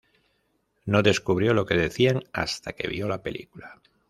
No descubrió lo que decían hasta que vio la película.